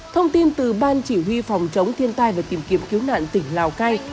thông tin từ ban chỉ huy phòng chống thiên tai và tìm kiếm cứu nạn tỉnh lào cai